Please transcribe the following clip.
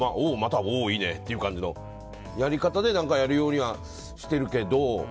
おお、いいねっていう感じのやり方でやるようにはしてるけど。